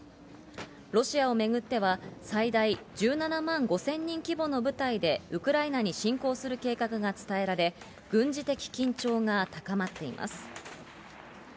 ロシアをめぐっては、最大１７万５０００人規模の部隊でウクライナに侵攻する計画が伝えられ、軍事的緊張が高まっています。